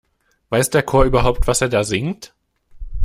Weiß der Chor überhaupt, was er da singt?